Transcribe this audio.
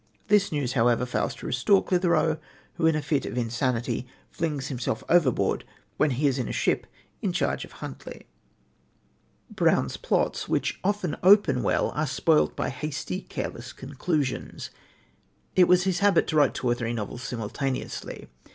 This news, however, fails to restore Clithero, who, in a fit of insanity, flings himself overboard when he is in a ship in charge of Huntly. Brown's plots, which often open well, are spoilt by hasty, careless conclusions. It was his habit to write two or three novels simultaneously.